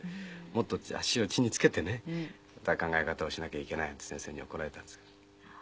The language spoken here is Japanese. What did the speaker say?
もっと足を地に着けてね考え方をしなきゃいけないって先生に怒られたんですけど。